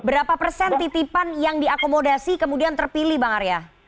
berapa persen titipan yang diakomodasi kemudian terpilih bang arya